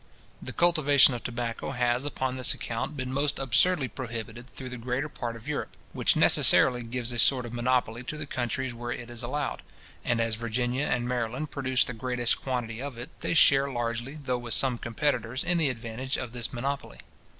The cultivation of tobacco has, upon this account, been most absurdly prohibited through the greater part of Europe, which necessarily gives a sort of monopoly to the countries where it is allowed; and as Virginia and Maryland produce the greatest quantity of it, they share largely, though with some competitors, in the advantage of this monopoly.